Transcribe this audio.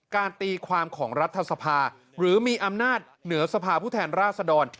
ตีความของรัฐสภาหรือมีอำนาจเหนือสภาพผู้แทนราชดร